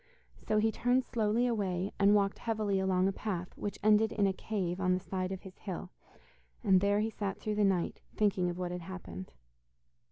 So he turned slowly away, and walked heavily along a path which ended in a cave on the side of his hill, and there he sat through the night, thinking of what had happened.